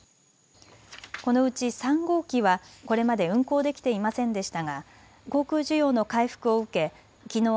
このうち３号機はこれまで運航できていませんでしたが航空需要の回復を受けきのう